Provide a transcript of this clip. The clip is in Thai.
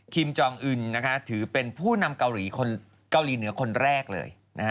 จองอึนถือเป็นผู้นำเกาหลีเหนือคนแรกเลย